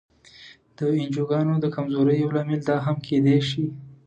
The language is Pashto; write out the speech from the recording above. د انجوګانو د کمزورۍ یو لامل دا هم کېدای شي.